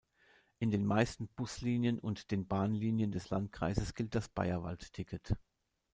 In den meisten Buslinien und den Bahnlinien des Landkreises gilt das Bayerwald-Ticket.